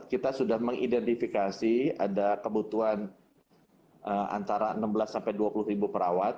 kita sudah mengidentifikasi ada kebutuhan antara enam belas sampai dua puluh ribu perawat